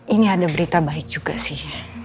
ini ada berita baik juga sih